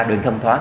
đường không thoát